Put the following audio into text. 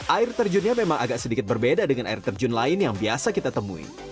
air terjunnya memang agak sedikit berbeda dengan air terjun lain yang biasa kita temui